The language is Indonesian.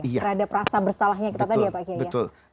terhadap rasa bersalahnya kita tadi ya pak kyaiya